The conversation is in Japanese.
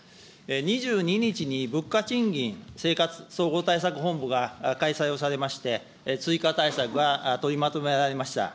２２日に物価・賃金・生活総合対策本部が開催をされまして、追加対策が取りまとめられました。